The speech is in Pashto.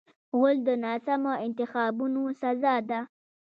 غول د ناسمو انتخابونو سزا ده.